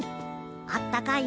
あったかいよ。